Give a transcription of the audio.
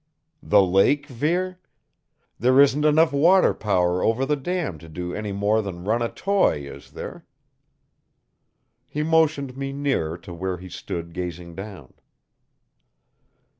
"The lake, Vere? There isn't enough water power over the dam to do any more than run a toy, is there?" He motioned me nearer to where he stood gazing down.